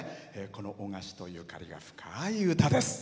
この男鹿市とゆかりが深い歌です。